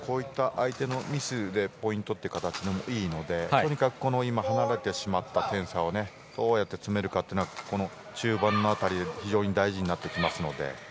相手のミスでポイントという形でいいのでとにかく今離れてしまった点差をどうやって詰めるのか中盤の辺りは非常に大事になってきますので。